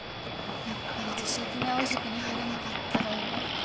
やっぱり年明けに藍井塾に入れなかったら終わりか。